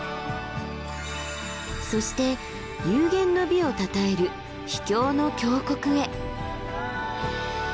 そして幽玄の美をたたえる秘境の峡谷へ。